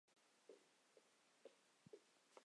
中央线